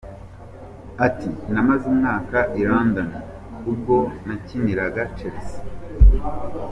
Ati “Namaze umwaka i London ubwo nakiniraga Chelsea.